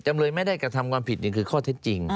จำเลยไม่ได้กระทำความผิดนี่คือข้อเท็จจริง